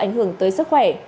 ảnh hưởng tới sức khỏe